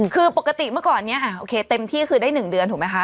คือปกติเมื่อก่อนนี้โอเคเต็มที่คือได้๑เดือนถูกไหมคะ